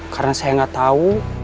karena saya gak tau